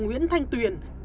nguyễn thanh tuyển